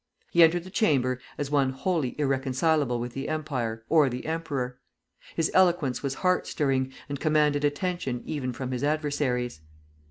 He entered the Chamber as one wholly irreconcilable with the Empire or the emperor. His eloquence was heart stirring, and commanded attention even from his adversaries.